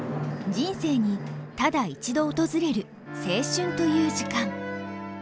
人生にただ一度訪れる青春という時間。